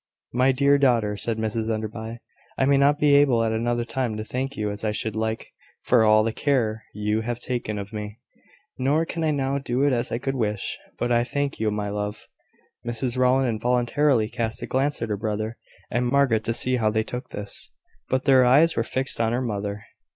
"My dear daughter," said Mrs Enderby, "I may not be able at another time to thank you as I should like for all the care you have taken of me: nor can I now do it as I could wish: but I thank you, my love." Mrs Rowland involuntarily cast a glance at her brother and Margaret, to see how they took this: but their eyes were fixed on her mother.